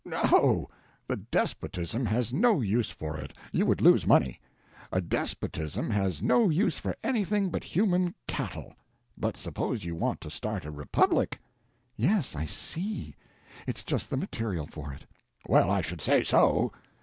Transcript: No, the despotism has no use for it; you would lose money. A despotism has no use for anything but human cattle. But suppose you want to start a republic?" "Yes, I see. It's just the material for it." "Well, I should say so!